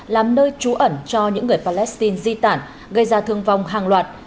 làm nơi trú ẩn cho những người palestine di tản gây ra thương vong hàng loạt